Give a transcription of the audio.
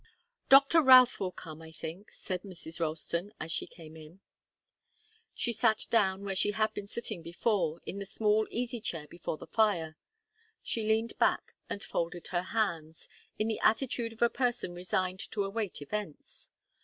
"Doctor Routh will come, I think," said Mrs. Ralston, as she came in. She sat down where she had been sitting before, in the small easy chair before the fire. She leaned back and folded her hands, in the attitude of a person resigned to await events.